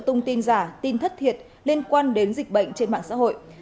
tung tin giả tin thất thiệt liên quan đến dịch bệnh trên mạng xã hội